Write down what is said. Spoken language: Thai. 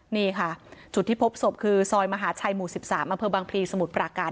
นี่ค่ะจุดที่พบสบคือซอยมหาชัยหมู่๑๓มบสมุทรปราการ